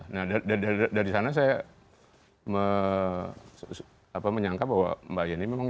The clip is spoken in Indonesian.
nah dari sana saya menyangka bahwa mbak yeni memang